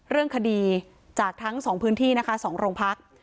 เรื่องคดีจากทั้ง๒พื้นที่นะคะ๒โรงพัก